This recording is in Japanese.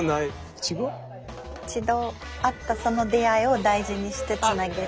一度会ったその出会いを大事にしてつなげる。